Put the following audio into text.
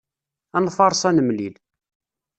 Ad nfaṛes ad nemlil.